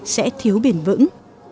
sẽ thiếu bền vững